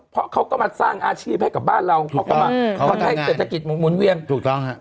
เพราะเขาก็มาสร้างอาชีพให้กับบ้านเราเขาก็มาทำให้เศรษฐกิจหมุนเวียนถูกต้องฮะ